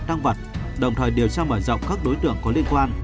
tăng vật đồng thời điều tra mở rộng các đối tượng có liên quan